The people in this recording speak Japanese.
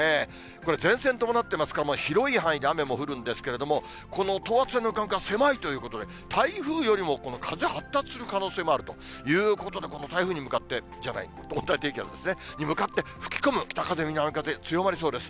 これ、前線伴ってますから、広い範囲で雨も降るんですけれども、この等圧線の間隔、狭いということで、台風よりも風、発達する可能性もあるということで、この台風に向かって、じゃない、温帯低気圧ですね、向かって、吹き込む北風、南風強まりそうです。